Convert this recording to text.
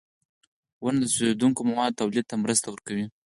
• ونه د سوځېدونکو موادو تولید ته مرسته کوي.